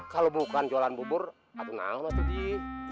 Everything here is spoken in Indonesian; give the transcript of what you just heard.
kalau bukan jualan bubur aku nang matu deji